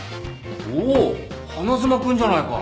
おお花妻君じゃないか。